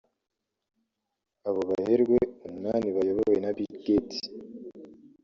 Abo baherwe umunani bayobowe na Bill Gates